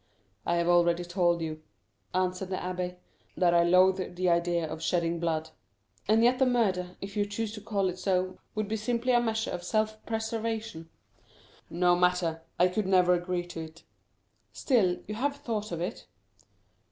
"I have already told you," answered the abbé, "that I loathe the idea of shedding blood." "And yet the murder, if you choose to call it so, would be simply a measure of self preservation." "No matter! I could never agree to it." "Still, you have thought of it?"